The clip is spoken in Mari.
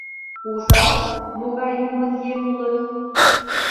Ужат, могай «юмын еҥ» улыт?!.